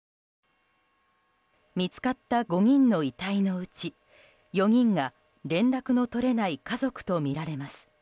見つかった５人の遺体のうち４人が連絡の取れない家族とみられます。